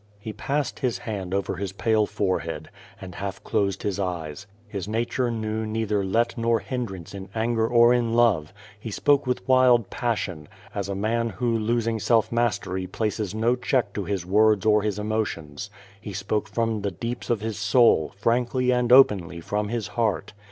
He passed his hand over his pale forehead, and half closed his eyes. His nature knew neither let nor hindrance in anger or in love. He spoke with wild passion, as a man who, losing self ma«5tery ]>laees no check to his words or his emotions. He s|M)ke from the deeps of his soul, frankly and openl}' from his heart.